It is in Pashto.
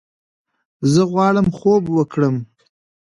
زۀ غواړم خوب وکړم!